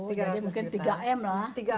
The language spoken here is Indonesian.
jadi mungkin tiga m lah